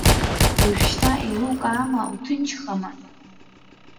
Уажәшьҭа еилукаама, уҭынчхама?!